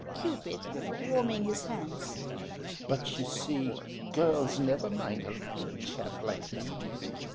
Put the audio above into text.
CUPID (warming his hands) But, you see, Girls never mind a little chap like me.